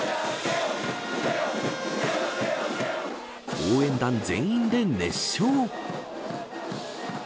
応援団全員で熱唱。